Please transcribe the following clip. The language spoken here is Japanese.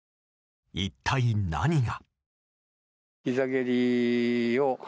一体、何が。